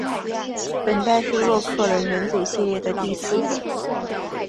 本代是洛克人元祖系列的第四作。